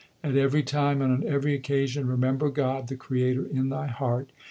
At every time and on every occasion Remember God, the Creator, in thy heart.